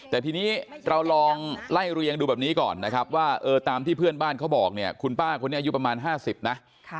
แต่ทีนี้เราลองไล่เรียงดูแบบนี้ก่อนนะครับว่าตามที่เพื่อนบ้านเขาบอกเนี่ยคุณป้าคนนี้อายุประมาณ๕๐นะ